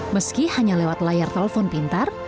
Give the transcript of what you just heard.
meski hanya lewat layar telepon pintar